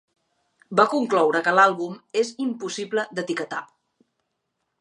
Va concloure que l'àlbum és "impossible d'etiquetar".